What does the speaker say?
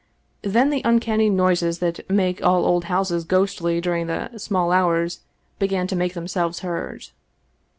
Then the uncanny noises that make all old houses ghostly during the small hours began to make themselves heard.